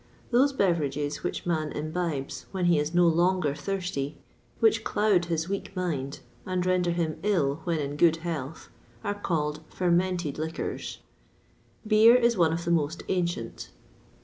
Those beverages which man imbibes when he is no longer thirsty, which cloud his weak mind, and render him ill when in good health, are called fermented liquors. Beer is one of the most ancient.